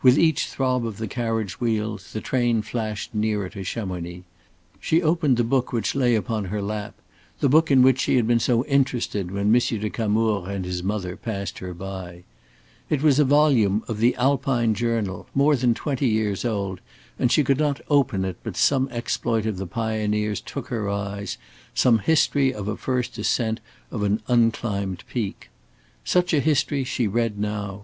With each throb of the carriage wheels the train flashed nearer to Chamonix. She opened the book which lay upon her lap the book in which she had been so interested when Monsieur de Camours and his mother passed her by. It was a volume of the "Alpine Journal," more than twenty years old, and she could not open it but some exploit of the pioneers took her eyes, some history of a first ascent of an unclimbed peak. Such a history she read now.